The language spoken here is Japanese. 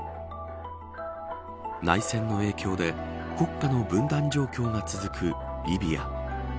内戦の影響で国家の分断状況が続くリビア。